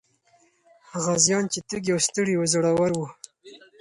غازيان چې تږي او ستړي وو، زړور وو.